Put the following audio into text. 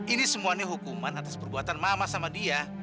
ini semuanya hukuman atas perbuatan mama sama dia